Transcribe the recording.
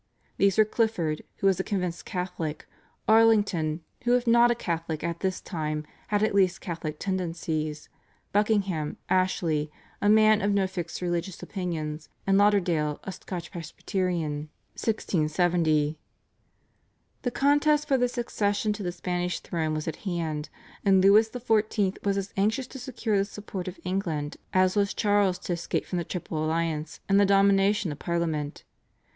These were Clifford, who was a convinced Catholic, Arlington who if not a Catholic at this time had at least Catholic tendencies, Buckingham, Ashley, a man of no fixed religious opinions, and Lauderdale, a Scotch Presbyterian (1670). The contest for the succession to the Spanish throne was at hand, and Louis XIV. was as anxious to secure the support of England as was Charles to escape from the Triple Alliance and the domination of Parliament.